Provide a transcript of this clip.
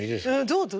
どうぞ。